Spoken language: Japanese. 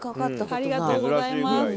ありがとうございます。